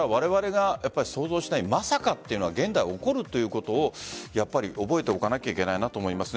想像していないまさかというのは現代に起こるということを覚えておかなければいけないなと思います。